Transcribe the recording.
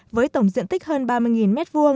với tổng diện tích hơn ba mươi m hai